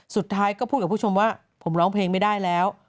สุดท้ายก็พูดกับผู้ชมว่าผมร้องเพลงไม่ได้แล้ว